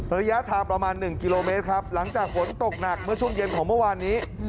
ระยะทางประมาณ๑กิโลเมตรครับหลังจากฝนตกหนักเมื่อช่วงเย็นของเมื่อวานนี้